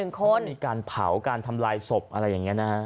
มันต้องมีการเผาการทำลายศพอะไรอย่างนี้นะ